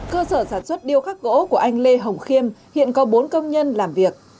cơ sở sản xuất điêu khắc gỗ của anh lê hồng khiêm hiện có bốn công nhân làm việc